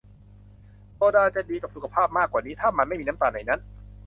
โซดาจะดีกับสุขภาพมากกว่านี้ ถ้ามันไม่มีน้ำตาลในนั้น